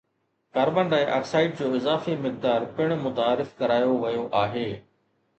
carbon dioxide جو اضافي مقدار پڻ متعارف ڪرايو ويو آهي